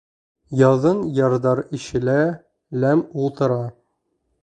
Яҙын ярҙар ишелә, ләм ултыра.